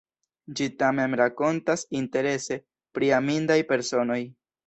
Ĝi tamen rakontas interese pri amindaj personoj.